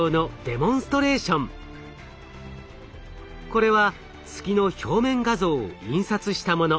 これは月の表面画像を印刷したもの。